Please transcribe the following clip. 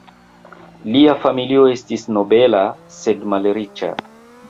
Lia familio estis nobela sed malriĉa.